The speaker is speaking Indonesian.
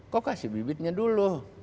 kau kasih bibitnya dulu